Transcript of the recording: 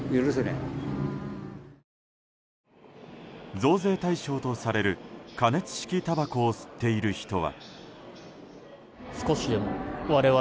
増税対象とされる加熱式たばこを吸っている人は。